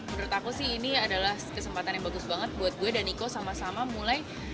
menurut aku sih ini adalah kesempatan yang bagus banget buat gue dan niko sama sama mulai